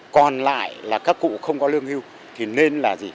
còn lại là các cụ không có lương hưu thì nên là gì